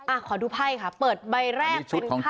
อ่ะขอดูไพ่ค่ะเปิดใบแรกเป็นไพ่